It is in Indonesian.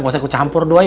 masih aku campur doi